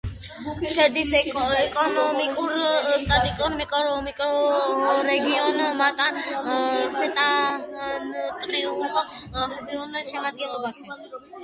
შედის ეკონომიკურ-სტატისტიკურ მიკრორეგიონ მატა-სეტენტრიუნალ-პერნამბუკანის შემადგენლობაში.